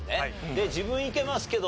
で「自分イケますけど！」